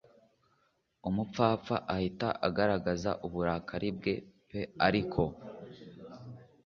Umupfapfa ahita agaragaza uburakari bwe p ariko